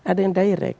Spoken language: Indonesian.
ada yang direct